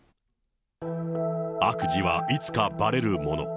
悪事はいつかばれるもの。